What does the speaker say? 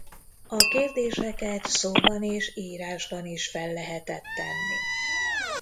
A kérdéseket szóban és írásban is fel lehetett tenni.